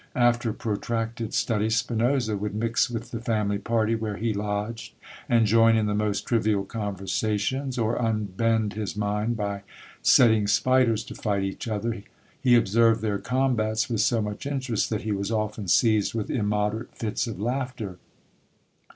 After protracted studies Spinosa would mix with the family party where he lodged, and join in the most trivial conversations, or unbend his mind by setting spiders to fight each other; he observed their combats with so much interest, that he was often seized with immoderate fits of laughter.